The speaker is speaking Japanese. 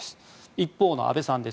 一方の安倍さんです